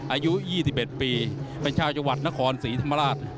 อายุ๒๑ปีเป็นชาวจังหวัดนครศรีธรรมราช